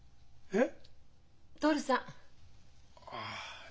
えっ？